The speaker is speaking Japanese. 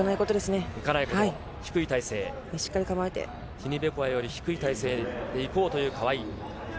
ティニベコワより低い体勢でいこうという川井。